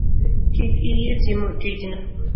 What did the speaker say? Kik iyie timo tijno?